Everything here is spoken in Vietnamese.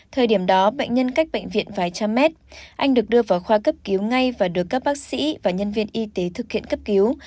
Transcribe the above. thời điểm đó bệnh nhân cách bệnh viện vài trăm mét anh được đưa vào khoa cấp cứu ngay và được các bác sĩ và nhân viên y tế thực hiện cấp cứu